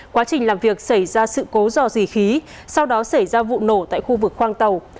quá trình làm việc xảy ra sự cố dò dì khí sau đó xảy ra vụ nổ tại khu vực khoang tàu